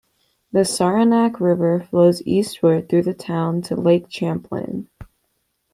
The Saranac River flows eastward through the town to Lake Champlain.